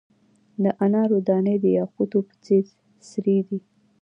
د انارو دانې د یاقوتو په څیر سرې دي.